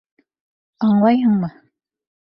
Аңлайһыңмы?!